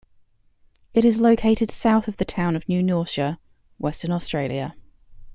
It is located south of the town of New Norcia, Western Australia.